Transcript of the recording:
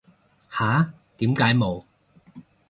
吓？點解冇